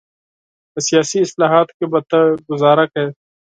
په سیاسي اصطلاحاتو کې به ته ګوزاره کوې.